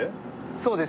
そうです。